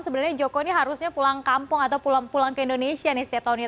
sebenarnya joko ini harusnya pulang kampung atau pulang ke indonesia nih setiap tahunnya